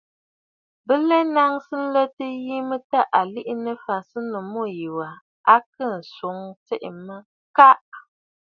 Bɨ lɛ nnaŋsə nlətə a yi mə tâ à liʼinə afǎnsənnǔ mû yì wa, a kɨɨ̀ ǹswoŋə tsiʼì mə “Kaʼa!”.